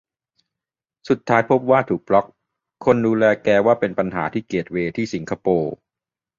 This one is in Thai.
สุดท้ายพบว่าถูกบล็อค คนดูแลแถว่าเป็นปัญหาที่เกตเวย์ที่สิงคโปร์